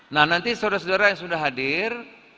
nah nanti saudara saudara yang sudah hadir